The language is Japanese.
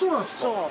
そう。